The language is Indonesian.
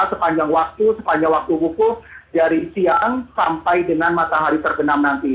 sepanjang waktu sepanjang waktu wukuf dari siang sampai dengan matahari terbenam nanti